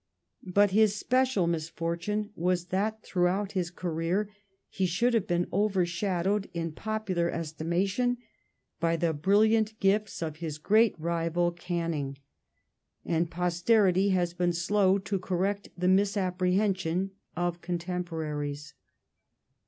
But his special mis fortune was that throughout his career he should have been over shadowed in popular estimation by the brilliant gifts of his great rival Canning, and posterity has been slow to coiTect the misappre hension of contemporaries.